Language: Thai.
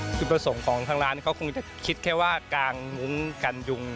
จุดประสงค์ของทางร้านเขาคงจะคิดแค่ว่ากางมุ้งกันยุง